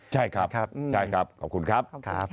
ใช่ครับขอบคุณครับ